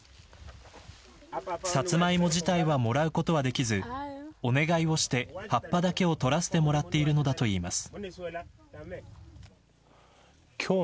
サツマイモ自体はもらうことはできずお願いをして葉っぱだけを取らせてもらっているのだといいます。